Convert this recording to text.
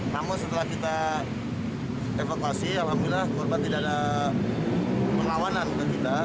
namun setelah kita evakuasi alhamdulillah korban tidak ada pengawanan ke kita